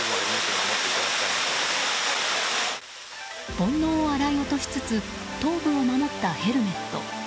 煩悩を洗い落としつつ頭部を守ったヘルメット。